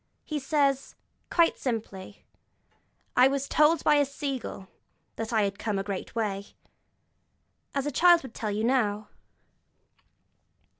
He says, quite simply: 'I was told by a sea gull that had come a great way,' as a child would tell you now.